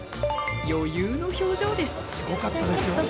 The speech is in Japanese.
余裕の表情です。